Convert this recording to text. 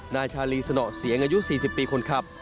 นายชาลีสนอเสียงอายุ๔๐ปีคนขับ